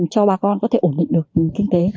cho bà con có thể ổn định được kinh tế